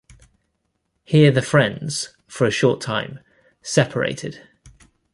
Here the friends, for a short time, separated.